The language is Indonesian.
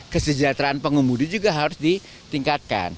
kesejahteraan pengemudi juga harus ditingkatkan